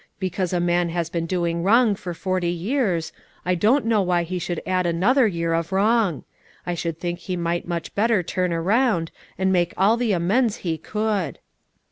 Because a man has been doing wrong for forty years, I don't know why he should add another year of wrong; I should think he might much better turn around, and make all the amends he could."